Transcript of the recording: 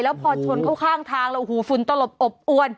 แล้วพอชนเข้าข้างทางแล้วฟุ้นตลบอบอ้วน